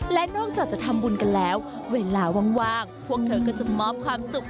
และนอกจากจะทำบุญกันแล้วเวลาว่างพวกเธอก็จะมอบความสุข